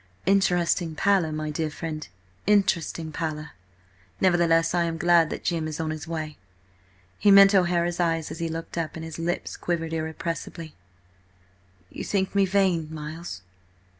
"Interesting pallor, my dear friend, interesting pallor. Nevertheless, I am glad that Jim is on his way." He met O'Hara's eyes as he looked up, and his lips quivered irrepressibly. "You think me very vain, Miles?"